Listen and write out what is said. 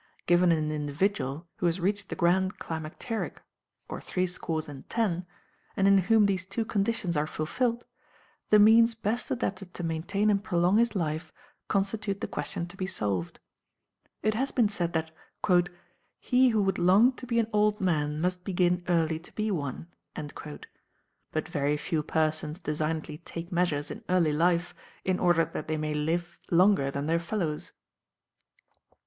Given an individual who has reached the grand climacteric, or threescore and ten, and in whom these two conditions are fulfilled, the means best adapted to maintain and prolong his life constitute the question to be solved. It has been said that "he who would long to be an old man must begin early to be one," but very few persons designedly take measures in early life in order that they may live longer than their fellows.